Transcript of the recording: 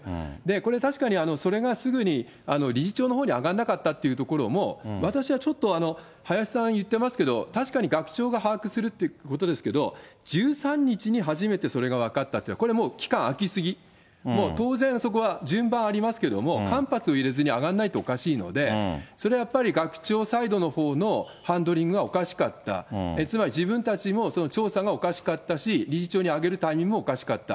これは確かにそれがすぐに理事長のほうに上がんなかったっていうところも、私はちょっと、林さん言ってますけど、確かに学長が把握するってことですけど、１３日に初めてそれが分かったっていうのは、これはもう期間あきすぎ、もう当然そこは順番ありますけども、間髪を入れずに上がんないとおかしいので、それはやっぱり学長サイドのほうのハンドリングがおかしかった、つまり、自分たちもその調査がおかしかったし、理事長に上げるタイミングもおかしかった。